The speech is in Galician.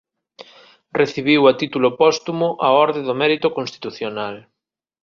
Recibiu a título póstumo a Orde do Mérito Constitucional.